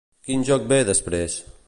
Quin joc ve després?